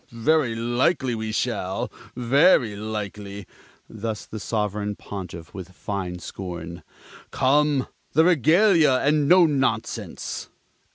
Very likely we shall! Very likely!" thus the Sovereign Pontiff with fine scorn. "Come, the regalia, and no nonsense!"